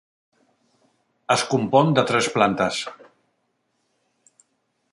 Es compon de tres plantes.